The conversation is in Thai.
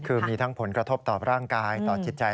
คือมีทั้งผลกระทบต่อร่างกายต่อจิตใจ